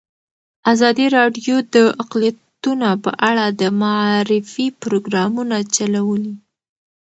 ازادي راډیو د اقلیتونه په اړه د معارفې پروګرامونه چلولي.